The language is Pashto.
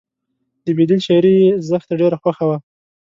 د بیدل شاعري یې زښته ډېره خوښه وه